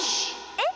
えっ？